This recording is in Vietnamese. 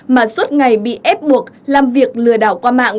mà suốt ngày bị ép buộc làm việc lừa đảo qua mạng